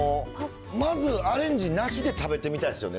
まずアレンジなしで食べてみたいですよね。